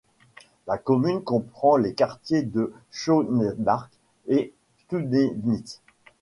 La commune comprend les quartiers de Schönermark et Stüdenitz.